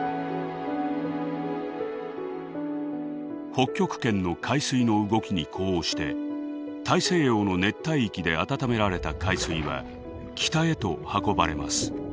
北極圏の海水の動きに呼応して大西洋の熱帯域であたためられた海水は北へと運ばれます。